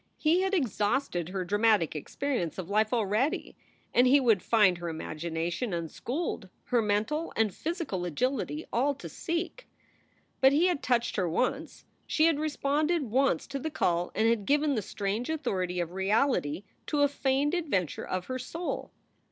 He had exhausted her dramatic experience of life already, and he would find her imagination unschooled, her mental and physical agility all to seek. 228 SOULS FOR SALE But he had touched her once. She had responded once to the call and had given the strange authority of reality to a feigned adventure of her soul.